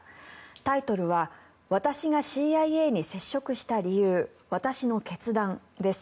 タイトルは「私がＣＩＡに接触した理由私の決断」です。